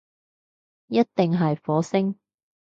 一定係火星